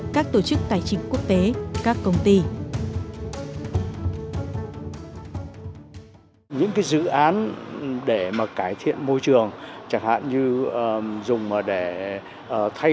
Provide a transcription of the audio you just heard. các tổ chức tài chính quốc tế các công ty